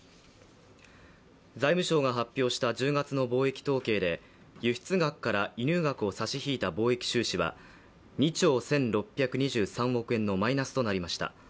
財務省が発表した１０月の貿易統計で輸出額から輸入額を差し引いた貿易収支は２兆１６２３億円のマイナスとなりました。